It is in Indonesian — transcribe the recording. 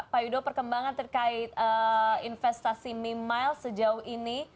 pak yudo perkembangan terkait investasi mimile sejauh ini